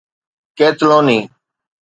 قيطلوني